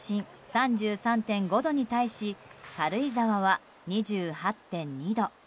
３３．５度に対し軽井沢は２８．２度。